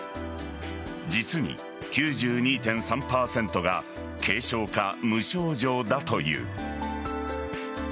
実に９２．３％が軽症か無症状だという。